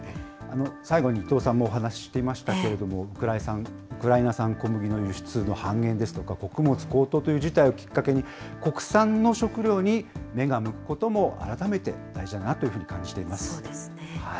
最後に伊藤さんもお話していましたけれども、ウクライナ産小麦の輸出の半減ですとか、穀物高騰という事態をきっかけに、国産の食料に目が向くことも改めて大事だなというふうに感じていそうですね。